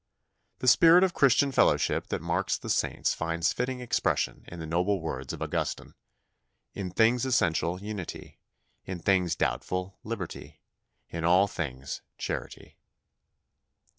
The spirit of Christian fellowship that marks the saints finds fitting expression in the noble words of Augustine, "In things essential, unity; in things doubtful, liberty; in all things, charity."